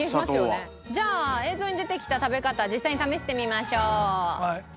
じゃあ映像に出てきた食べ方実際に試してみましょう。